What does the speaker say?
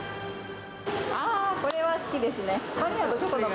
あー、これは好きですね。